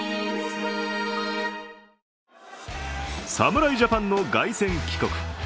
あ侍ジャパンの凱旋帰国。